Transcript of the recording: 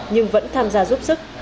nhưng vẫn tham gia giúp sức